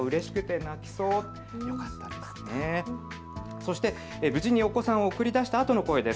そして無事にお子さんを送り出したあとの声です。